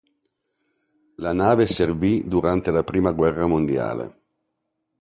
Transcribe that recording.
La nave servì durante la prima guerra mondiale.